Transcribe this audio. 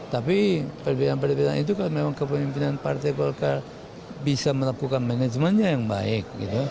tapi perbedaan perbedaan itu kan memang kepemimpinan partai golkar bisa melakukan manajemennya yang baik